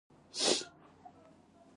مرکه کېدونکی باید د حوصلې بدل واخلي.